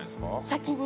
先に？